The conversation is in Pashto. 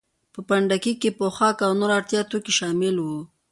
په پنډکي کې پوښاک او نور د اړتیا توکي شامل وو.